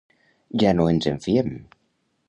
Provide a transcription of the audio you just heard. Ja no ens en fiem.